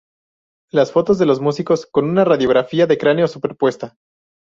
Las fotos de los músicos con una radiografía de cráneo superpuesta.